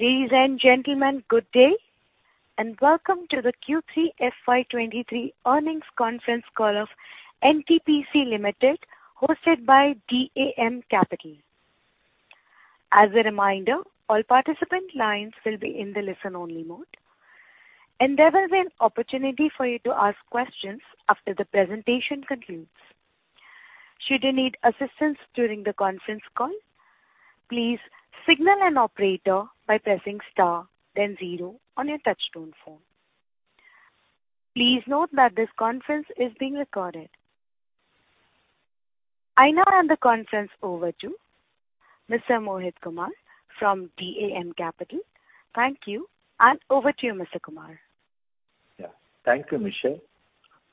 Ladies and gentlemen, good day. Welcome to the Q3 FY 2023 Earnings Conference Call of NTPC Limited, hosted by DAM Capital. As a reminder, all participant lines will be in the listen only mode. There will be an opportunity for you to ask questions after the presentation concludes. Should you need assistance during the conference call, please signal an operator by pressing star then zero on your touchtone phone. Please note that this conference is being recorded. I now hand the conference over to Mr. Mohit Kumar from DAM Capital. Thank you. Over to you, Mr. Kumar. Yeah. Thank you, Michelle.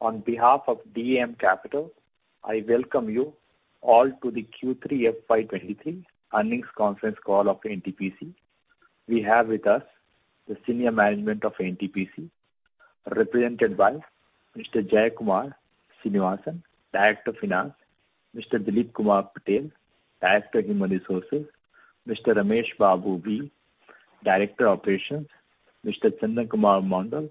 On behalf of DAM Capital, I welcome you all to the Q3 FY 2023 Earnings Conference Call of NTPC. We have with us the senior management of NTPC, represented by Mr. Jaikumar Srinivasan, Director of Finance, Mr. Dilip Kumar Patel, Director of Human Resources, Mr. Ramesh Babu V., Director Operations, Mr. Chandan Kumar Mondol,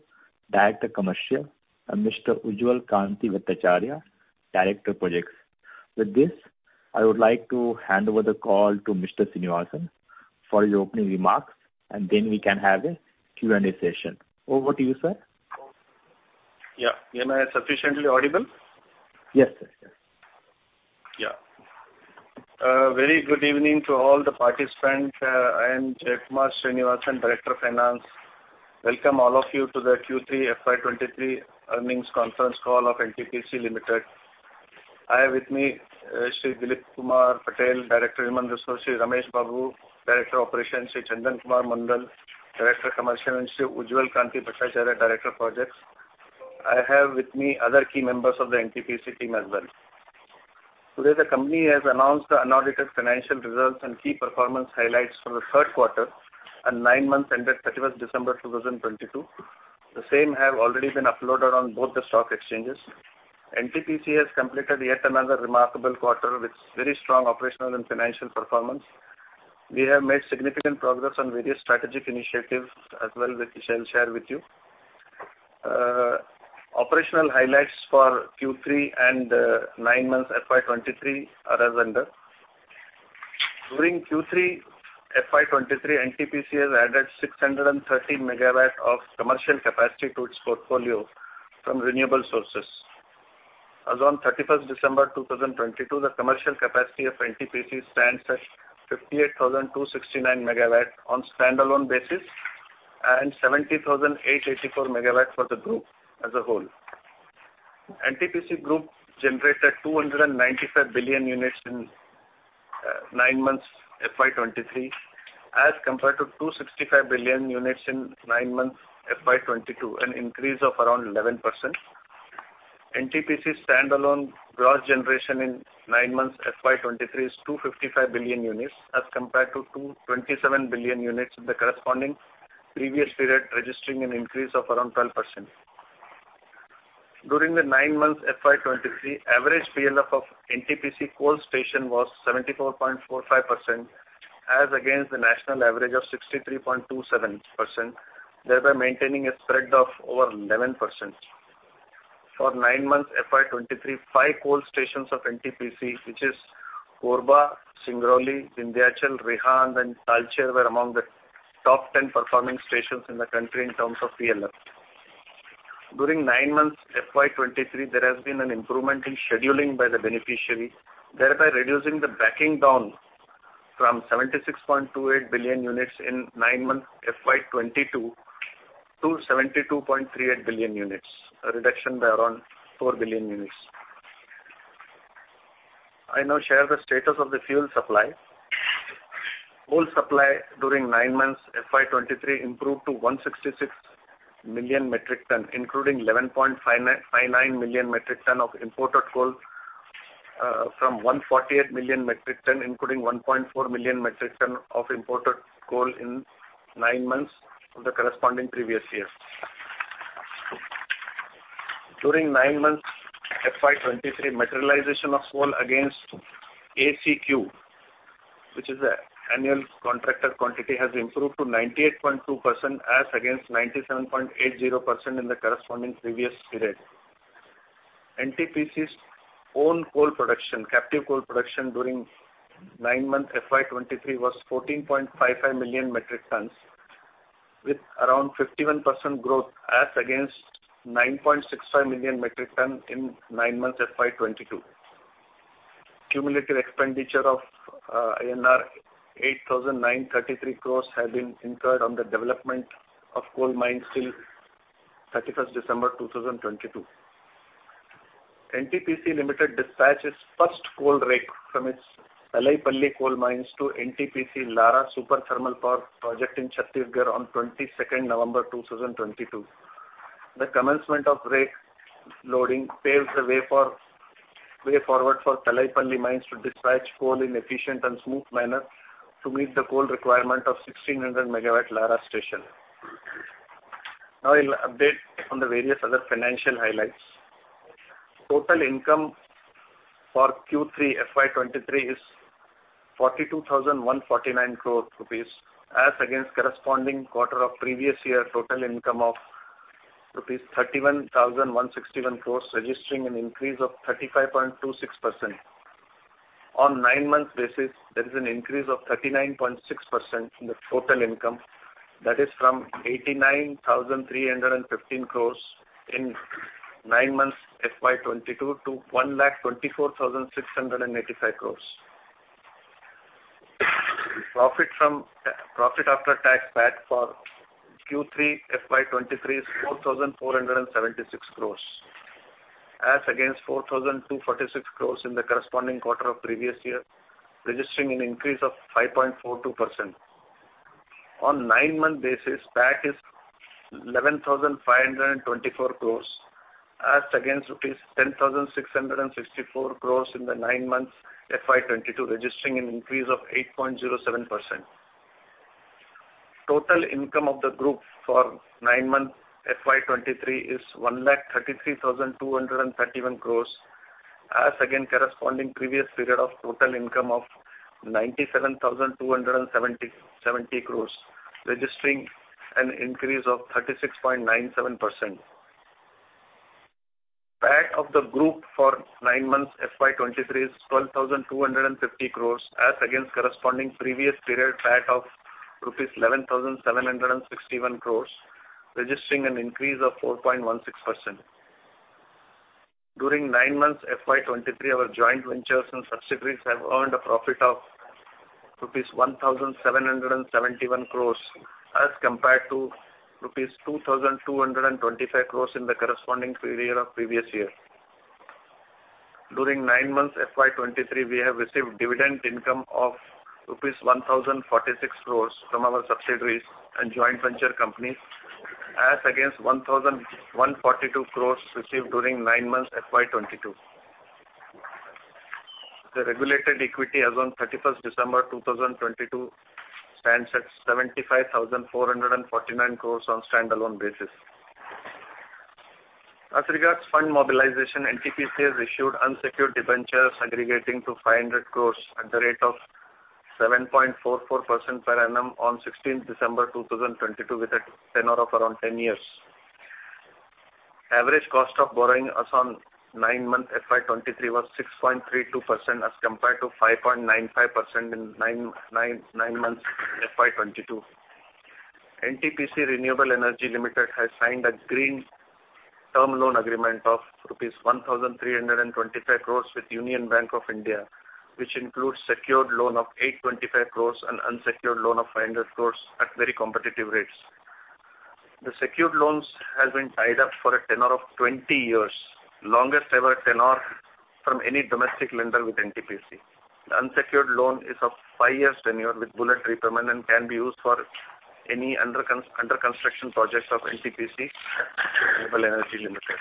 Director Commercial, and Mr. Ujjwal Kanti Bhattacharya, Director Projects. With this, I would like to hand over the call to Mr. Srinivasan for his opening remarks. Then we can have a Q&A session. Over to you, sir. Yeah. Am I sufficiently audible? Yes. Yes. Yes. Yeah. Very good evening to all the participants. I am Jaikumar Srinivasan, Director of Finance. Welcome all of you to the Q3 FY 2023 Earnings Conference Call of NTPC Limited. I have with me, Sri Dilip Kumar Patel, Director of Human Resources, Sri Ramesh Babu, Director Operations, Sri Chandan Kumar Mondol, Director Commercial, and Sri Ujjwal Kanti Bhattacharya, Director Projects. I have with me other key members of the NTPC team as well. Today, the company has announced the unaudited financial results and key performance highlights for the third quarter and nine months ended 31st December 2022. The same have already been uploaded on both the stock exchanges. NTPC has completed yet another remarkable quarter with very strong operational and financial performance. We have made significant progress on various strategic initiatives as well, which I shall share with you. Operational highlights for Q3 and nine months FY 2023 are as under. During Q3 FY 2023, NTPC has added 630 MW of commercial capacity to its portfolio from renewable sources. As on 31st December 2022, the commercial capacity of NTPC stands at 58,269 MW on standalone basis and 70,884 MW for the group as a whole. NTPC group generated 295 billion units in nine months FY 2023, as compared to 265 billion units in nine months FY 2022, an increase of around 11%. NTPC standalone gross generation in nine months FY 2023 is 255 billion units, as compared to 227 billion units in the corresponding previous period, registering an increase of around 12%. During the nine months FY 2023, average PLF of NTPC coal station was 74.45% as against the national average of 63.27%, thereby maintaining a spread of over 11%. For nine months FY 2023, five coal stations of NTPC, which is Korba, Singrauli, Vindhyachal, Rihand and Talcher were among the top 10 performing stations in the country in terms of PLF. During nine months FY 2023, there has been an improvement in scheduling by the beneficiary, thereby reducing the backing down from 76.28 billion units in nine months FY 2022 to 72.38 billion units, a reduction by around 4 billion units. I now share the status of the fuel supply. Coal supply during nine months FY 2023 improved to 166 million metric ton, including 11.59 million metric ton of imported coal, from 148 million metric ton, including 1.4 million metric ton of imported coal in nine months of the corresponding previous year. During nine months FY 2023, materialization of coal against ACQ, which is the annual contracted quantity, has improved to 98.2% as against 97.80% in the corresponding previous period. NTPC's own coal production, captive coal production, during nine months FY 2023 was 14.55 million metric tons, with around 51% growth as against 9.65 million metric ton in nine months FY 2022. Cumulative expenditure of INR 8,933 crores have been incurred on the development of coal mines till 31st December 2022. NTPC Limited dispatched its first coal rake from its Talaipalli coal mines to NTPC Lara Super Thermal Power Project in Chhattisgarh on 22nd November 2022. The commencement of rake loading paves the way forward for Talaipalli mines to dispatch coal in efficient and smooth manner to meet the coal requirement of 1,600 MW Lara station. I'll update on the various other financial highlights. Total income for Q3 FY 2023 is 42,149 crores rupees as against corresponding quarter of previous year total income of rupees 31,161 crores, registering an increase of 35.26%. On nine months basis, there is an increase of 39.6% in the total income. That is from 89,315 crores in nine months FY 2022 to 1,24,685 crores. Profit After Tax, PAT, for Q3 FY 2023 is 4,476 crores as against 4,246 crores in the corresponding quarter of previous year, registering an increase of 5.42%. On nine month basis, PAT is 11,524 crores as against rupees 10,664 crores in the nine months FY 2022, registering an increase of 8.07%. Total income of the group for nine months FY 2023 is 1,33,231 crores as again corresponding previous period of total income of 97,270 crores, registering an increase of 36.97%. PAT of the group for nine months FY 2023 is 12,250 crores as against corresponding previous period PAT of INR 11,761 crores, registering an increase of 4.16%. During nine months FY 2023, our joint ventures and subsidiaries have earned a profit of rupees 1,771 crores as compared to rupees 2,225 crores in the corresponding period of previous year. During nine months FY 2023, we have received dividend income of rupees 1,046 crores from our subsidiaries and joint venture companies as against 1,142 crores received during nine months FY 2022. The regulated equity as on 31st December 2022 stands at 75,449 crores on standalone basis. As regards fund mobilization, NTPC has issued unsecured debentures aggregating to 500 crore at the rate of 7.44% per annum on 16th December 2022 with a tenor of around 10 years. Average cost of borrowing as on nine month FY 2023 was 6.32% as compared to 5.95% in nine months FY 2022. NTPC Renewable Energy Limited has signed a green term loan agreement of rupees 1,325 crore with Union Bank of India, which includes secured loan of 825 crore and unsecured loan of 500 crore at very competitive rates. The secured loans has been tied up for a tenor of 20 years, longest ever tenor from any domestic lender with NTPC. The unsecured loan is of five years tenure with bullet repayment and can be used for any under construction projects of NTPC Renewable Energy Limited.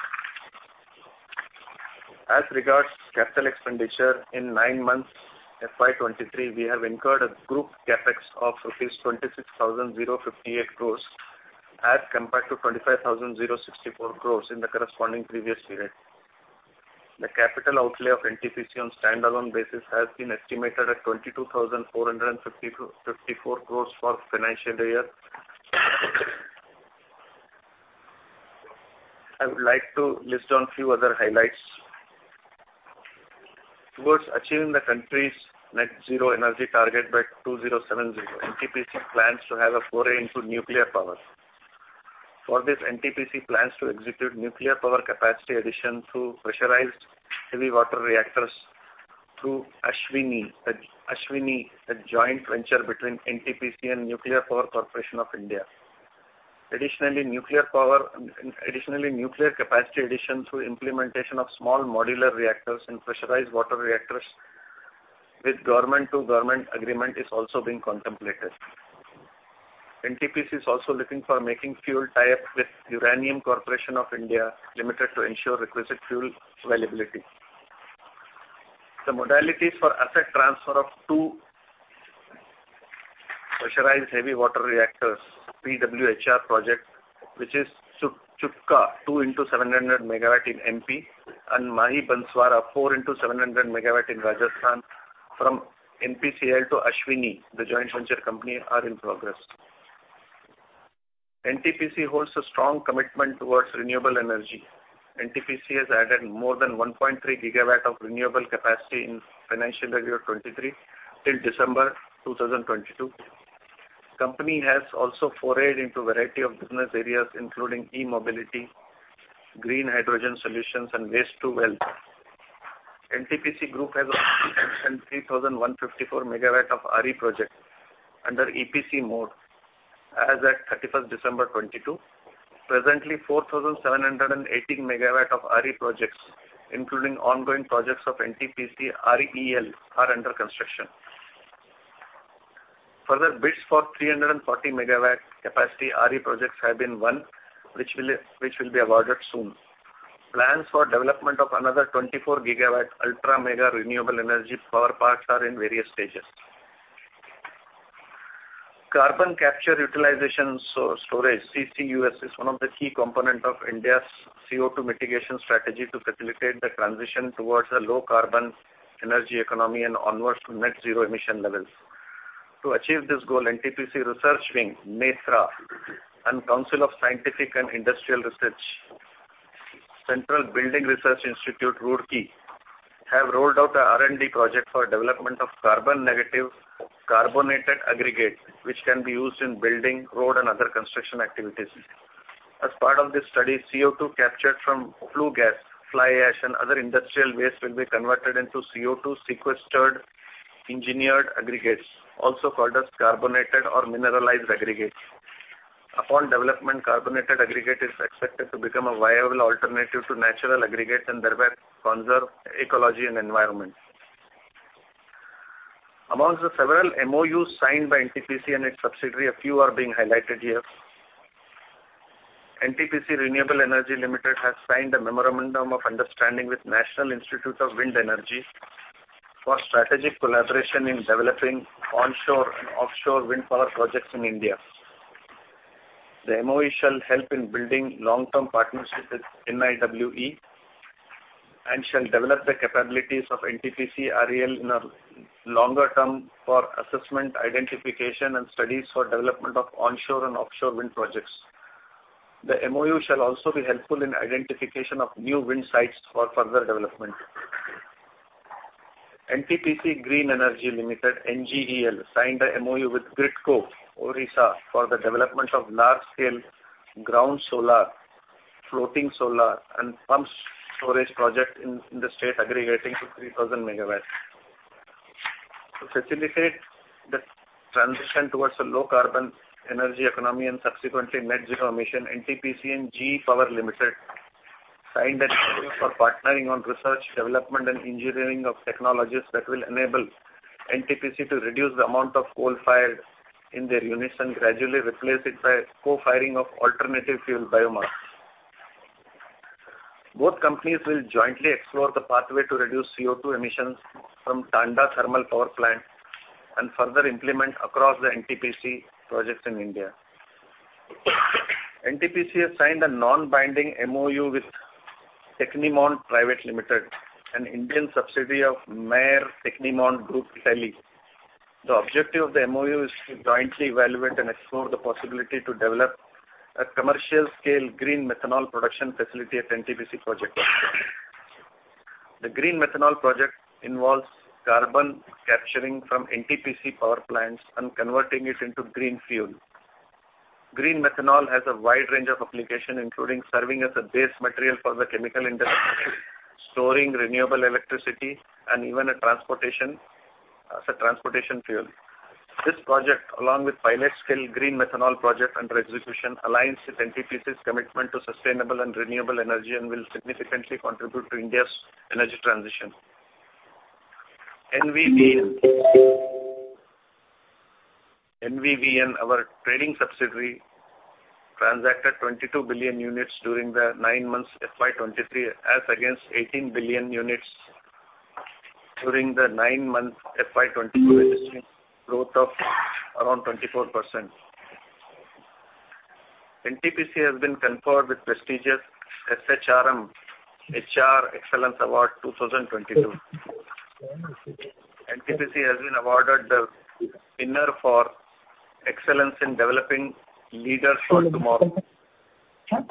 As regards capital expenditure in nine months FY 2023, we have incurred a group CapEx of rupees 26,058 crores as compared to 25,064 crores in the corresponding previous period. The capital outlay of NTPC on standalone basis has been estimated at 22,454 crores for financial year. I would like to list on few other highlights. Towards achieving the country's net zero energy target by 2070, NTPC plans to have a foray into nuclear power. For this, NTPC plans to execute nuclear power capacity addition through pressurized heavy water reactors through Anushakti Vidhyut Nigam Ltd., a joint venture between NTPC and Nuclear Power Corporation of India. Additionally, nuclear power, additional nuclear capacity addition through implementation of small modular reactors and pressurized water reactors with government to government agreement is also being contemplated. NTPC is also looking for making fuel tie-up with Uranium Corporation of India Limited to ensure requisite fuel availability. The modalities for asset transfer of two pressurized heavy water reactors, PHWR project, which is Chutka, 2x700 MW in MP and Mahi Banswara, 4x700 MW in Rajasthan from NPCIL to ASHVINI, the joint venture company, are in progress. NTPC holds a strong commitment towards renewable energy. NTPC has added more than 1.3 GW of renewable capacity in financial year 2023 till December 2022. Company has also forayed into a variety of business areas, including e-mobility, green hydrogen solutions, and waste to wealth. NTPC Group has also 3,154 MW of RE project under EPC mode as at 31st December 2022. Presently, 4,718 MW of RE projects, including ongoing projects of NTPC REL, are under construction. Further bids for 340 MW capacity RE projects have been won, which will be awarded soon. Plans for development of another 24 GW Ultra Mega Renewable Energy Power Parks are in various stages. Carbon capture utilization storage, CCUS, is one of the key component of India's CO₂ mitigation strategy to facilitate the transition towards a low carbon energy economy and onwards to net zero emission levels. To achieve this goal, NTPC research wing, NETRA, and Council of Scientific and Industrial Research, CSIR-Central Building Research Institute, Roorkee, have rolled out a R&D project for development of carbon negative carbonated aggregate, which can be used in building, road and other construction activities. As part of this study, CO₂ captured from flue gas, fly ash, and other industrial waste will be converted into CO₂ sequestered engineered aggregates, also called as carbonated or mineralized aggregates. Upon development, carbonated aggregate is expected to become a viable alternative to natural aggregates and thereby conserve ecology and environment. Amongst the several MOUs signed by NTPC and its subsidiary, a few are being highlighted here. NTPC Renewable Energy Limited has signed a memorandum of understanding with National Institute of Wind Energy for strategic collaboration in developing onshore and offshore wind power projects in India. The MoU shall help in building long-term partnerships with NIWE and shall develop the capabilities of NTPC REL in a longer term for assessment, identification, and studies for development of onshore and offshore wind projects. The MoU shall also be helpful in identification of new wind sites for further development. NTPC Green Energy Limited, NGEL, signed a MoU with GRIDCO Limited for the development of large-scale ground solar, floating solar, and pump storage project in the state aggregating to 3,000 MW. To facilitate the transition towards a low carbon energy economy and subsequently net zero emission, NTPC and GE Power India Limited signed an MoU for partnering on research, development, and engineering of technologies that will enable NTPC to reduce the amount of coal fired in their units and gradually replace it by co-firing of alternative fuel biomass. Both companies will jointly explore the pathway to reduce CO₂ emissions from Tanda Thermal Power Plant and further implement across the NTPC projects in India. NTPC has signed a non-binding MoU with Tecnimont Private Limited, an Indian subsidiary of Maire Tecnimont Group Italy. The objective of the MoU is to jointly evaluate and explore the possibility to develop a commercial scale green methanol production facility at NTPC project. The green methanol project involves carbon capturing from NTPC power plants and converting it into green fuel. Green methanol has a wide range of application, including serving as a base material for the chemical industry, storing renewable electricity, and even as a transportation fuel. This project, along with pilot scale green methanol project under execution, aligns with NTPC's commitment to sustainable and renewable energy and will significantly contribute to India's energy transition. NVVN, our trading subsidiary, transacted 22 billion units during the nine months FY 2023, as against 18 billion units during the nine month FY 2022, registering growth of around 24%. NTPC has been conferred with prestigious SHRM HR Excellence Award 2022. NTPC has been awarded the winner for excellence in developing leaders for tomorrow. Sir,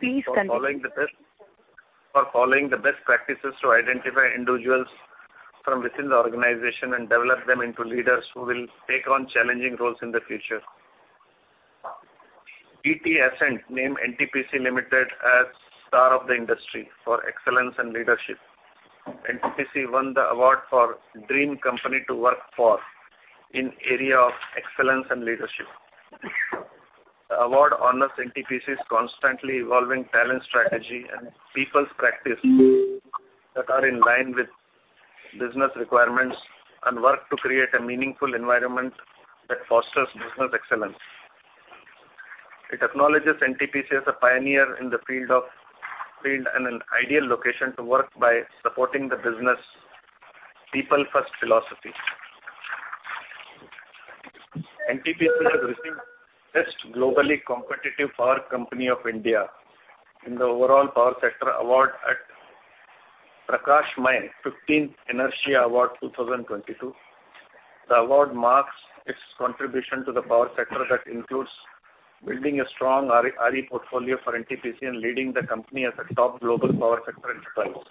please continue. For following the best practices to identify individuals from within the organization and develop them into leaders who will take on challenging roles in the future. ET Ascent named NTPC Limited as Star of the Industry for Excellence in Leadership. NTPC won the award for Dream Company to Work For in area of excellence and leadership. The award honors NTPC's constantly evolving talent strategy and people's practice that are in line with business requirements and work to create a meaningful environment that fosters business excellence. It acknowledges NTPC as a pioneer in the field and an ideal location to work by supporting the business people first philosophy. NTPC has received Best Globally Competitive Power Company of India in the overall power sector award at Prakashmay 15th ENERTIA Award 2022. The award marks its contribution to the power sector that includes building a strong RE portfolio for NTPC and leading the company as a top global power sector enterprise.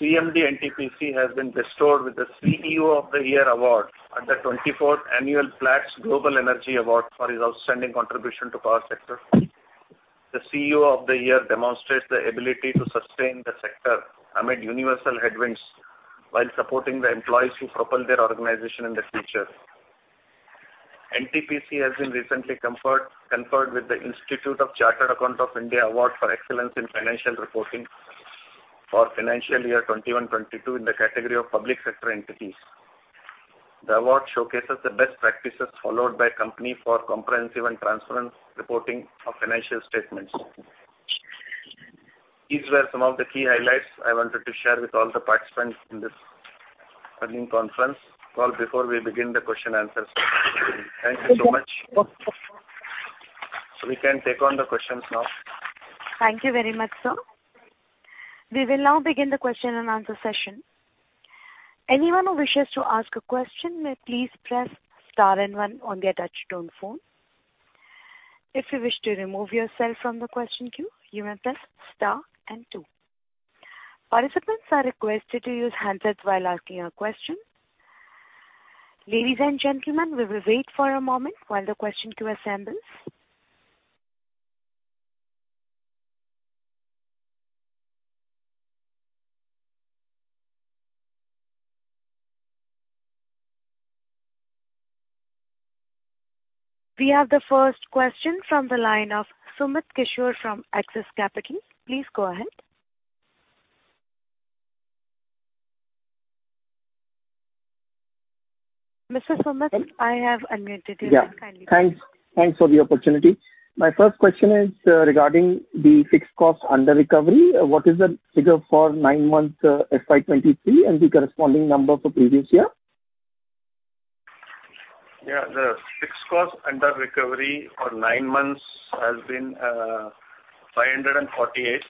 CMD NTPC has been bestowed with the CEO of the Year award at the 24th annual Platts Global Energy Award for his outstanding contribution to power sector. The CEO of the Year demonstrates the ability to sustain the sector amid universal headwinds while supporting the employees who propel their organization in the future. NTPC has been recently conferred with the Institute of Chartered Accountants of India Award for Excellence in Financial Reporting for financial year 2021-2022 in the category of public sector entities. The award showcases the best practices followed by company for comprehensive and transparent reporting of financial statements. These were some of the key highlights I wanted to share with all the participants in this earnings conference call before we begin the question answers. Thank you so much. We can take on the questions now. Thank you very much, sir. We will now begin the question and answer session. Anyone who wishes to ask a question may please press star and one on their touchtone phone. If you wish to remove yourself from the question queue, you may press star and two. Participants are requested to use handsets while asking a question. Ladies and gentlemen, we will wait for a moment while the question queue assembles. We have the first question from the line of Sumit Kishore from Axis Capital. Please go ahead. Mr. Sumit, I have unmuted you now. Kindly go ahead. Thanks, thanks for the opportunity. My first question is regarding the fixed cost under recovery. What is the figure for nine months, FY 2023 and the corresponding number for previous year? Yeah. The fixed cost under recovery for nine months has been 548.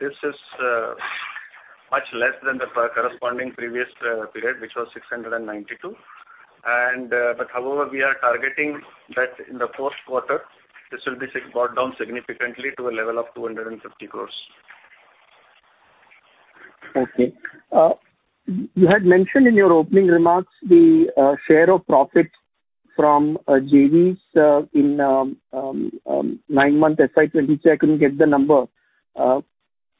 This is much less than the corresponding previous period, which was 692. However, we are targeting that in the fourth quarter, this will be brought down significantly to a level of 250 crores. Okay. You had mentioned in your opening remarks the share of profits from JVs, in nine month FY 2022. I couldn't get the number.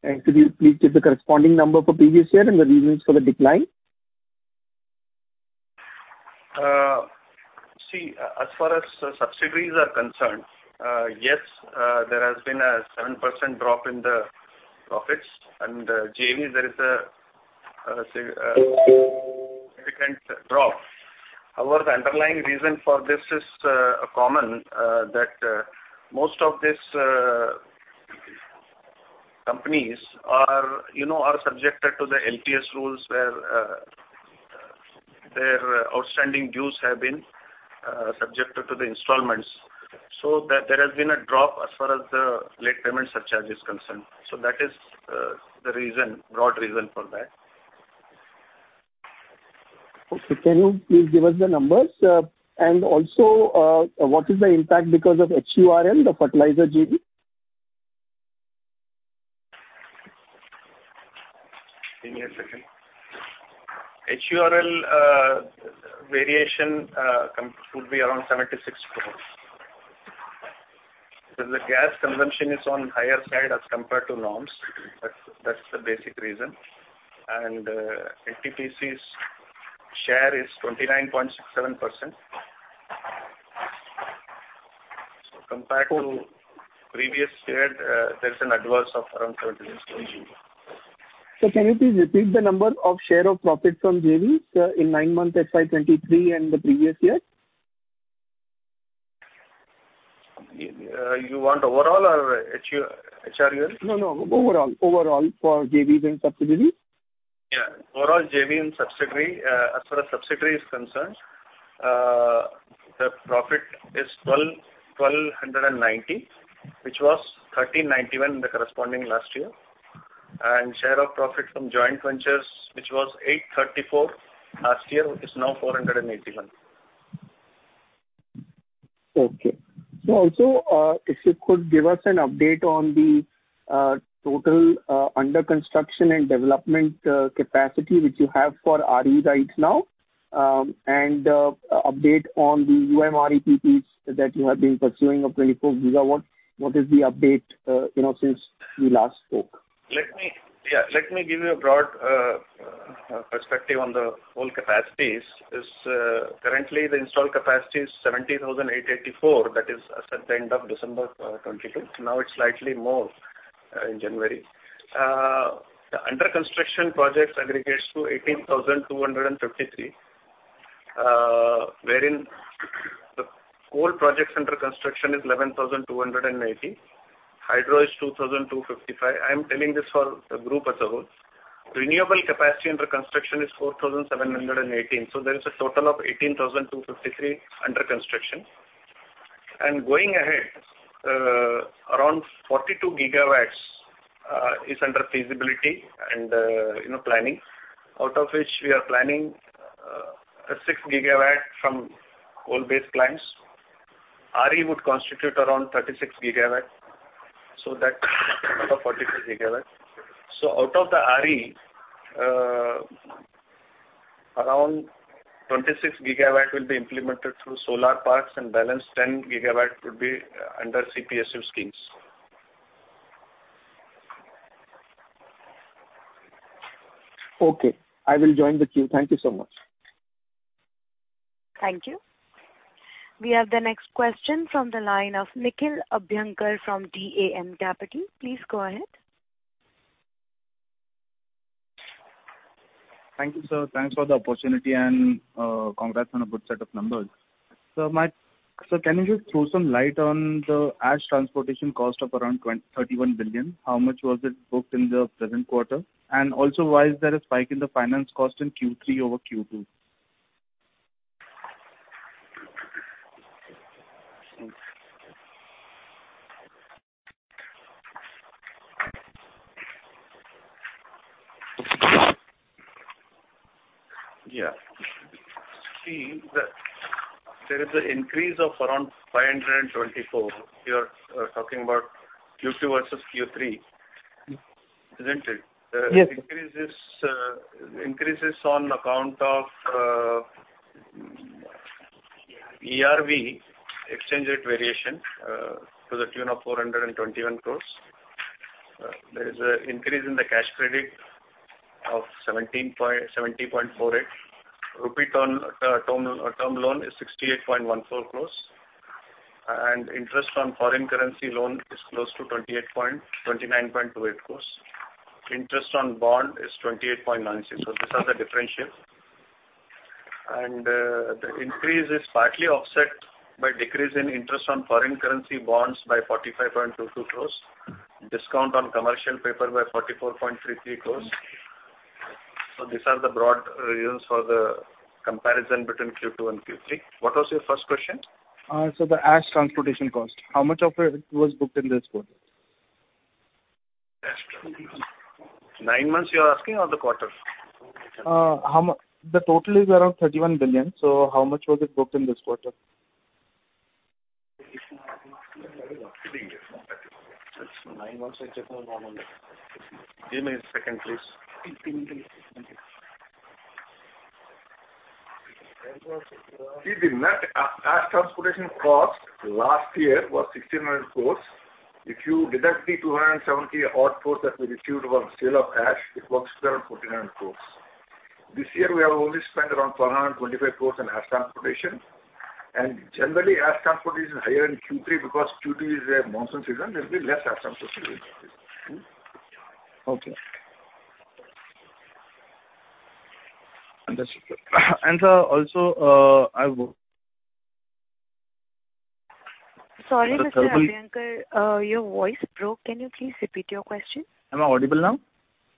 Could you please give the corresponding number for previous year and the reasons for the decline? See, as far as subsidiaries are concerned, yes, there has been a 7% drop in the profits and JVs there is a significant drop. However, the underlying reason for this is common that most of these companies are, you know, are subjected to the LTS rules where their outstanding dues have been subjected to the installments. There has been a drop as far as the Late Payment Surcharge is concerned. That is the reason, broad reason for that. Okay. Can you please give us the numbers? Also, what is the impact because of HURL, the fertilizer JV? Give me a second. HURL, variation could be around 76 crores. Because the gas consumption is on higher side as compared to norms. That's the basic reason. NTPC's share is 29.67%. Compared to previous year, there's an adverse of around 17 crores. Can you please repeat the number of share of profits from JVs, in nine months FY 2023 and the previous year? You want overall or HURL? No, no. Overall, overall for JVs and subsidiaries. Yeah. Overall JV and subsidiary. As far as subsidiary is concerned, the profit is 1,290 crore, which was 1,391 crore in the corresponding last year. Share of profit from joint ventures, which was 834 crore last year, is now 481 crore. Okay. Also, if you could give us an update on the total under construction and development capacity which you have for RE right now. And, update on the UMREPPs that you have been pursuing of 24 GW. What is the update, you know, since we last spoke? Let me. Yeah. Let me give you a broad perspective on the whole capacities. Is, currently the installed capacity is 70,884. That is as at the end of December 2022. Now it's slightly more in January. The under construction projects aggregates to 18,253, wherein the coal projects under construction is 11,290. Hydro is 2,255. I am telling this for the group as a whole. Renewable capacity under construction is 4,718. There is a total of 18,253 under construction. Going ahead, around 42 GW is under feasibility and, you know, planning. Out of which we are planning 6 GW from coal-based plants. RE would constitute around 36 GW, so that out of 42 GW. Out of the RE, around 26 gigawatt will be implemented through solar parks and balance 10 GW would be under CPSU schemes. Okay. I will join the queue. Thank you so much. Thank you. We have the next question from the line of Nikhil Abhyankar from DAMW Securities. Please go ahead. Thank you, sir. Thanks for the opportunity and congrats on a good set of numbers. Can you just throw some light on the ash transportation cost of around 31 billion? How much was it booked in the present quarter? Also, why is there a spike in the finance cost in Q3 over Q2? Yeah. See that there is an increase of around 524. You are talking about Q2 versus Q3. Mm-hmm. Isn't it? Yes. The increase is on account of ERV, exchange rate variation, to the tune of 421 crores. There is an increase in the cash credit of 17.48. Rupee term loan is 68.14 crores. Interest on foreign currency loan is close to 29.28 crores. Interest on bond is 28.96. These are the differentiators. The increase is partly offset by decrease in interest on foreign currency bonds by 45.22 crores. Discount on commercial paper by 44.33 crores. These are the broad reasons for the comparison between Q2 and Q3. What was your first question? The ash transportation cost. How much of it was booked in this quarter? Ash transportation cost. Nine months you're asking or the quarter? The total is around 31 billion, so how much was it booked in this quarter? Give me a second, please. See, the net ash transportation cost last year was 1,600 crores. If you deduct the 270 odd crores that we received on sale of ash, it works to around 1,400 crores. This year, we have only spent around 1,225 crores on ash transportation. Generally, ash transportation is higher in Q3 because Q2 is a monsoon season, there'll be less ash transportation. Okay. Understood. sir, also, I wo- Sorry, Mr. Abhyankar, your voice broke. Can you please repeat your question? Am I audible now?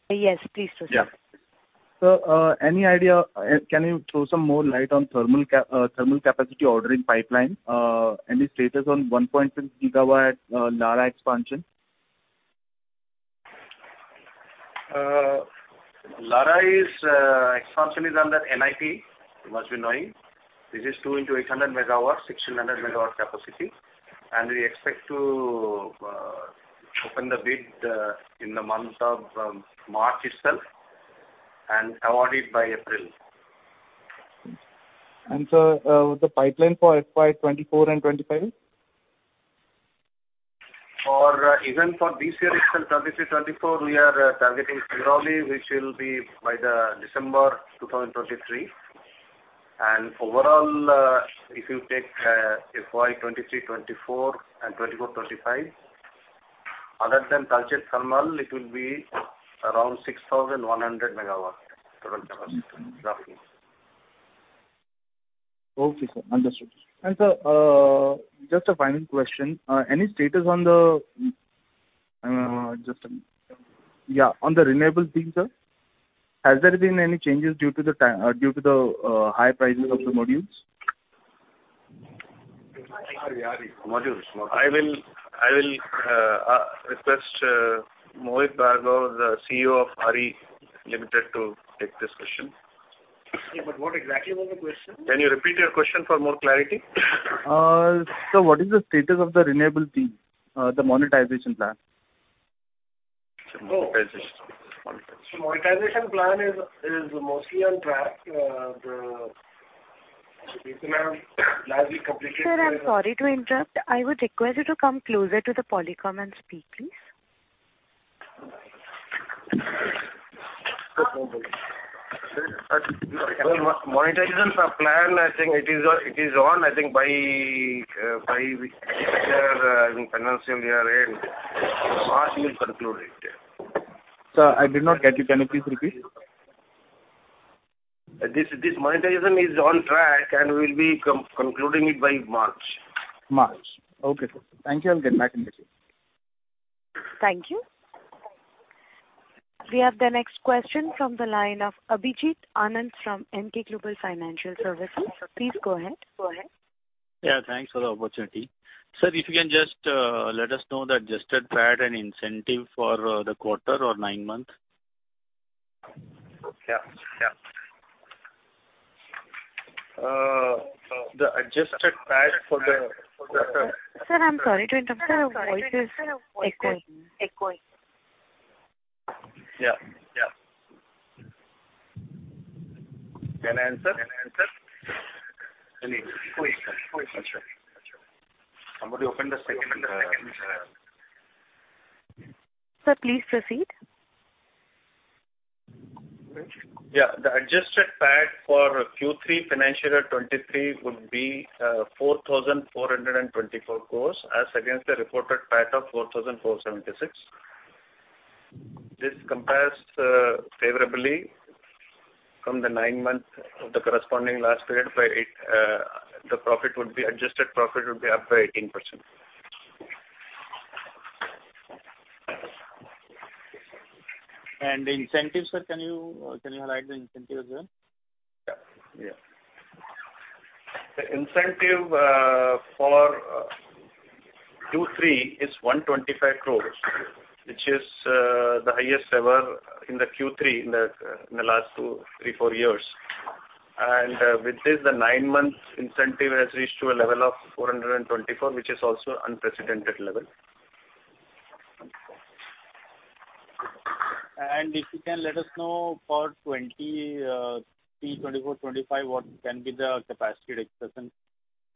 Yes, please proceed. Yeah. Any idea, can you throw some more light on thermal capacity ordering pipeline? Any status on 1.6 GW Lara expansion? Lara is, expansion is under NIP, you must be knowing. This is two into 800 MW, 1,600 MW capacity, and we expect to open the bid in the month of March itself and award it by April. Sir, the pipeline for FY 2024 and 2025? For, even for this year itself, 2023-2024, we are targeting Pirauli, which will be by December 2023. Overall, if you take, FY 2023-2024 and 2024-2025, other than Talcher thermal, it will be around 6,100 MW total capacity, roughly. Okay, sir. Understood. Sir, just a final question. Any status on the renewable thing, sir? Has there been any changes due to the high prices of the modules? modules. I will request Mohit Bhargava, the CEO of RE Limited, to take this question. Yeah, what exactly was the question? Can you repeat your question for more clarity? What is the status of the renewable team, the monetization plan? Monetization plan. Monetization plan is mostly on track. Sir, I'm sorry to interrupt. I would request you to come closer to the Polycom and speak, please. Monetization plan, I think it is on. I think by financial year end, March we'll conclude it. Sir, I did not get you. Can you please repeat? This monetization is on track, and we'll be concluding it by March. March. Okay, sir. Thank you. I'll get back in touch. Thank you. We have the next question from the line of Abhineet Anand from Emkay Global Financial Services. Please go ahead. Yeah, thanks for the opportunity. Sir, if you can just let us know the adjusted PAT and incentive for the quarter or nine months. Yeah. Yeah. the adjusted PAT for Sir, I'm sorry to interrupt, sir. Your voice is echoing. Yeah. Can I answer? Any question? Gotcha. Somebody open the second line. Sir, please proceed. The adjusted PAT for Q3 financial year 2023 would be 4,424 crores as against the reported PAT of 4,476. This compares favorably from the nine-month of the corresponding last period. Adjusted profit would be up by 18%. The incentive, sir, can you highlight the incentive as well? Yeah. Yeah. The incentive for Q3 is 125 crores, which is the highest ever in the Q3 in the last two, three, four years. With this, the nine-month incentive has reached to a level of 424, which is also unprecedented level. If you can let us know for 2020, 2023, 2024, 2025, what can be the capacity expansion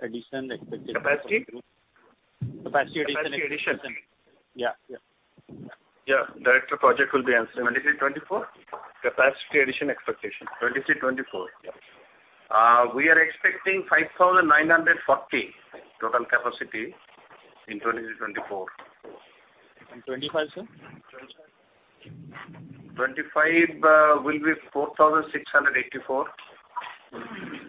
addition expected from the group? Capacity? Capacity addition expectation. Capacity addition. Yeah. Yeah. Director Projects will be answering. 2023, 2024? Capacity addition expectation. 2023, 2024. Yes. we are expecting 5,940 total capacity in 2023, 2024. 2025, sir? 2025 will be 4,684. Thank you, sir. Those were my questions.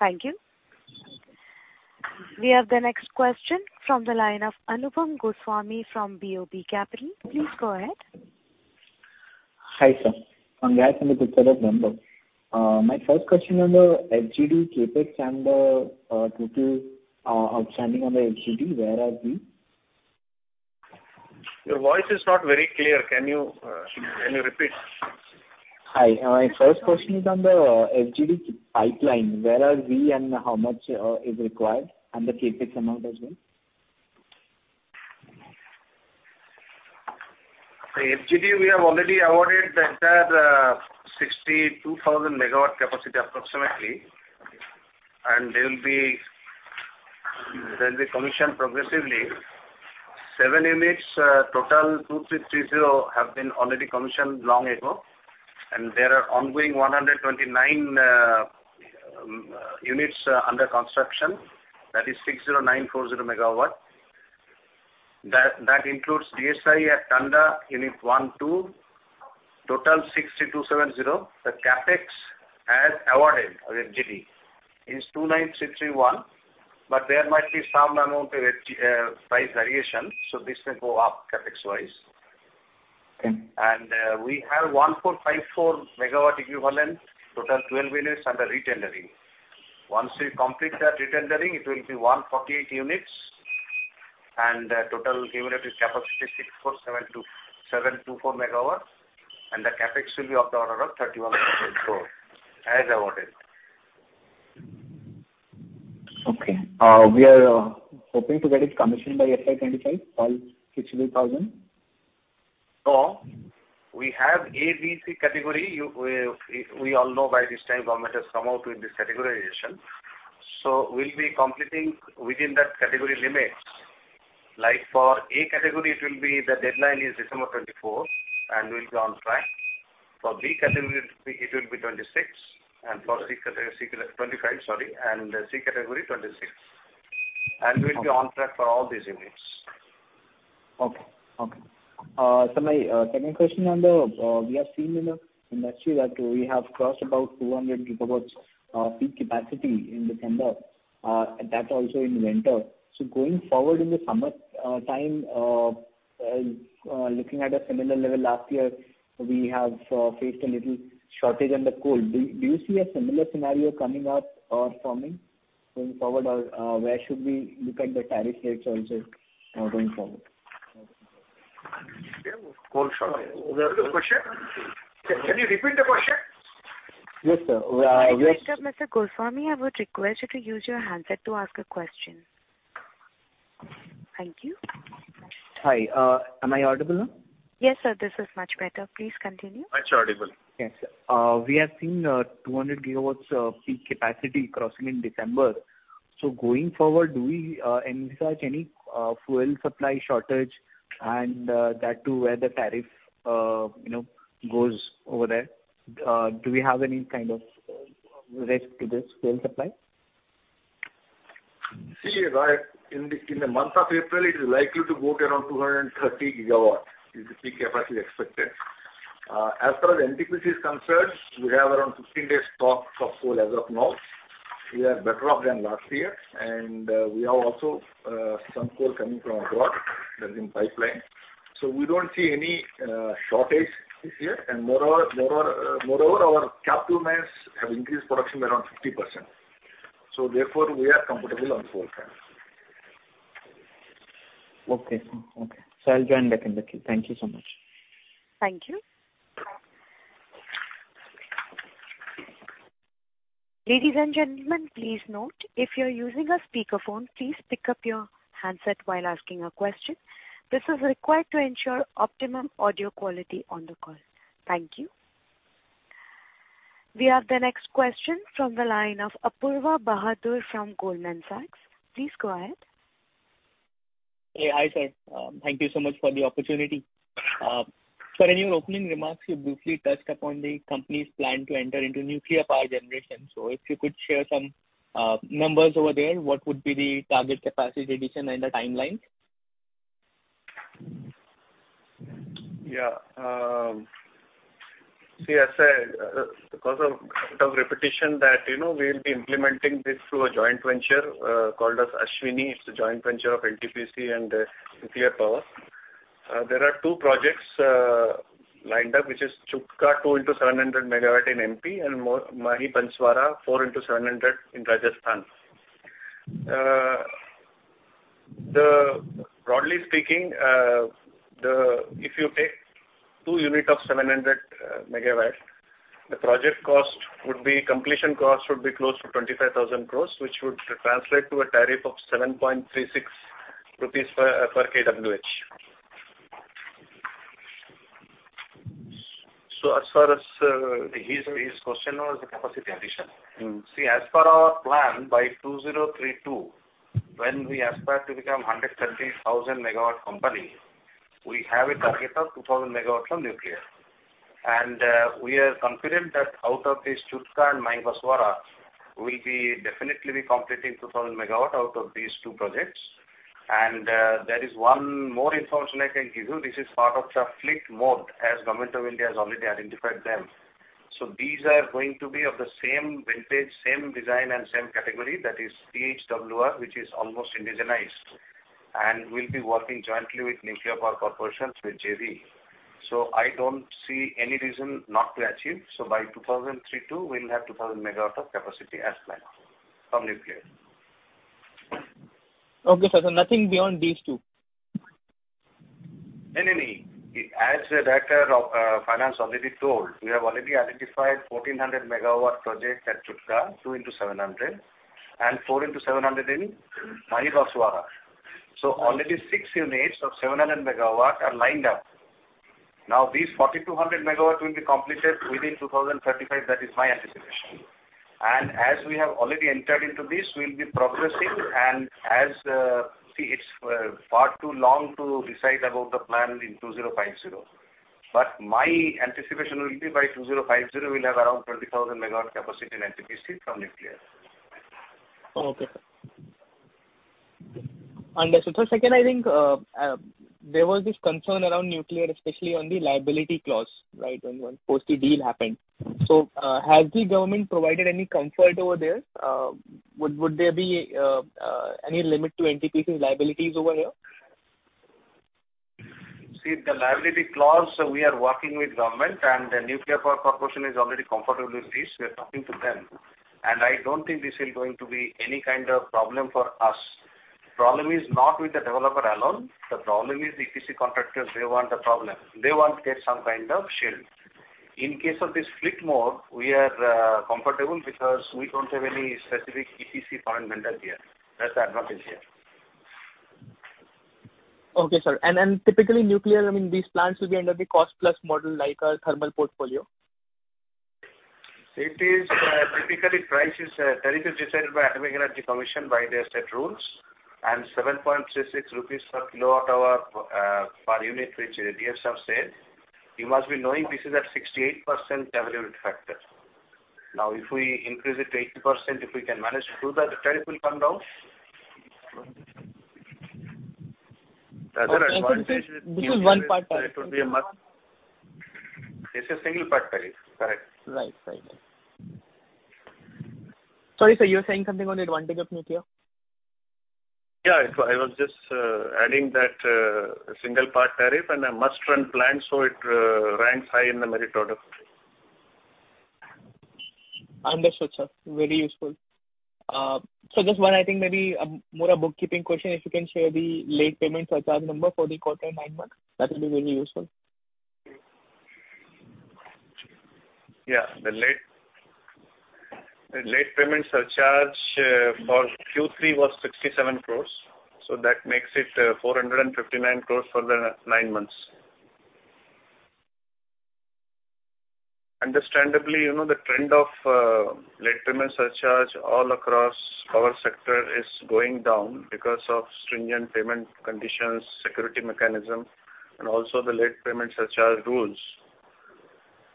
Thank you. We have the next question from the line of Anupam Goswami from BOB Capital. Please go ahead. Hi, sir. Congrats on the good set of numbers. My first question on the FGD CapEx and the total outstanding on the FGD. Where are we? Your voice is not very clear. Can you repeat? Hi. My first question is on the FGD pipeline. Where are we and how much is required and the CapEx amount as well? The FGD, we have already awarded the entire 62,000 MW capacity approximately, and they'll be commissioned progressively. Seven units, total 2,330 have been already commissioned long ago, and there are ongoing 129 units under construction. That is 60,940 MW. That includes DSI at Tanda unit 1 2, total 62,270. The CapEx as awarded on FGD is 29,331, but there might be some amount of price variation, so this may go up CapEx wise. Okay. We have 1,454 MW equivalent, total 12 units under retendering. Once we complete that retendering, it will be 148 units and total cumulative capacity 6,472,724 MW. The CapEx will be of the order of 31 billion as awarded. Okay. We are hoping to get it commissioned by FY 2025, all 62,000? No. We have A, B, C category. We all know by this time government has come out with this categorization. We'll be completing within that category limits. Like for A category, it will be the deadline is December 24th. We'll be on track. For B category, it will be 26th. For C category, 25, sorry. C category, 26th. Okay. We'll be on track for all these units. Okay. Okay. Sir, my second question on the, we have seen in the industry that we have crossed about 200 GW of peak capacity in December, that also in winter. Going forward in the summer time, looking at a similar level last year, we have faced a little shortage on the coal. Do you see a similar scenario coming up or forming going forward or, where should we look at the tariff rates also, going forward? Coal shortage. What was the question? Can you repeat the question? Yes, sir. Mr. Goswami, I would request you to use your handset to ask a question. Thank you. Hi. Am I audible now? Yes, sir. This is much better. Please continue. Much audible. Yes. We have seen 200 GW of peak capacity crossing in December. Going forward, do we envisage any fuel supply shortage and that to where the tariff, you know, goes over there? Do we have any kind of risk to this fuel supply? In the month of April, it is likely to go to around 230 GW is the peak capacity expected. As far as NTPC is concerned, we have around 15 days stock of coal as of now. We are better off than last year, we have also some coal coming from abroad that's in pipeline. We don't see any shortage this year. Moreover, our captive mines have increased production by around 50%. Therefore, we are comfortable on coal front. Okay, sir. Okay. I'll join back in the queue. Thank you so much. Thank you. Ladies and gentlemen, please note if you're using a speakerphone, please pick up your handset while asking a question. This is required to ensure optimum audio quality on the call. Thank you. We have the next question from the line of Apoorva Bahadur from Goldman Sachs. Please go ahead. Hey. Hi, sir. Thank you so much for the opportunity. Sir, in your opening remarks, you briefly touched upon the company's plan to enter into nuclear power generation. If you could share some numbers over there, what would be the target capacity addition and the timeline? Yeah. See, as said, we'll be implementing this through a joint venture called as ASHVINI. It's a joint venture of NTPC and nuclear power. There are two projects lined up, which is Chutka 2 into 700 MW in MP and Mahi Banswara 4 into 700 in Rajasthan. Broadly speaking, if you take two unit of 700 MW, the completion cost would be close to 25,000 crore, which would translate to a tariff of 7.36 rupees per kWh. As far as his question was the capacity addition. Mm-hmm. See, as per our plan by 2032, when we aspire to become 130,000 MW company, we have a target of 2,000 MW from nuclear. We are confident that out of this Chutka and Mahi Banswara, we'll be definitely completing 2,000 MW out of these two projects. There is one more information I can give you. This is part of the fleet mode as Government of India has already identified them. These are going to be of the same vintage, same design and same category, that is PHWR, which is almost indigenized. We'll be working jointly with Nuclear Power Corporation through JV. I don't see any reason not to achieve. By 2032, we'll have 2,000 megawatt of capacity as planned from nuclear. Okay, sir. Nothing beyond these two? No, no. As the Director of Finance already told, we have already identified 1,400 MW projects at Chutka, 2 into 700, and 4 into 700 in Mahi Banswara. Already six units of 700 MW are lined up. These 4,200 MW will be completed within 2035. That is my anticipation. As we have already entered into this, we'll be progressing. As, see, it's far too long to decide about the plan in 2050. My anticipation will be by 2050, we'll have around 20,000 MW capacity in NTPC from nuclear. Okay. Understood, sir. Second, I think, there was this concern around nuclear, especially on the liability clause, right, when post the deal happened. Has the government provided any comfort over there? Would there be any limit to NTPC's liabilities over here? See, the liability clause, we are working with government and the Nuclear Power Corporation is already comfortable with this. We are talking to them. I don't think this is going to be any kind of problem for us. Problem is not with the developer alone. The problem is EPC contractors, they want the problem. They want to get some kind of shield. In case of this fleet mode, we are comfortable because we don't have any specific EPC fundamental here. That's the advantage here. Okay, sir. Typically nuclear, I mean, these plants will be under the cost-plus model like our thermal portfolio. It is, typically price is, tariff is decided by Atomic Energy Commission by their set rules. 7.36 rupees per kilowatt hour, per unit, which DSN said, you must be knowing this is at 68% availability factor. Now, if we increase it to 80%, if we can manage to do that, the tariff will come down. The other advantage with. Okay. This is one part tariff. It would be a must. It's a single part tariff. Correct. Right. Sorry, sir, you were saying something on the advantage of nuclear. Yeah. I was just adding that single part tariff and a must-run plan, so it ranks high in the merit order. Understood, sir. Very useful. Just one, I think maybe, more a bookkeeping question. If you can share the late payment surcharge number for the quarter nine months, that will be very useful. Yeah. The late payment surcharge for Q3 was 67 crores, so that makes it 459 crores for the nine months. Understandably, you know, the trend of late payment surcharge all across power sector is going down because of stringent payment conditions, security mechanism, and also the Late Payment Surcharge rules.